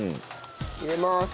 入れまーす。